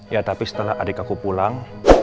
ya tapi setelah adik aku pulang